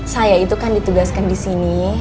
saya itu kan ditugaskan disini